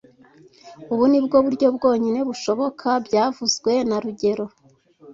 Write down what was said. Ubu ni bwo buryo bwonyine bushoboka byavuzwe na rugero